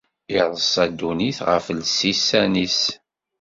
Ireṣṣa ddunit ɣef lsisan-is.